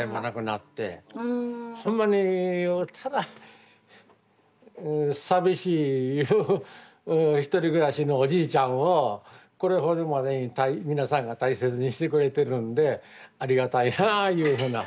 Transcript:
ほんまにただ寂しいゆう独り暮らしのおじいちゃんをこれほどまでに皆さんが大切にしてくれてるんでありがたいなぁいうふうな。